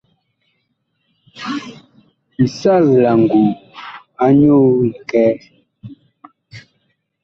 Bi sal la nguu anyuu likɛɛ.